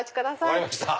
分かりました。